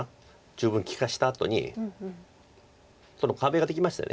十分利かしたあとに壁ができましたよね